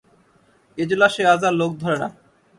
এজলাসে আজ আর লোক ধরে না।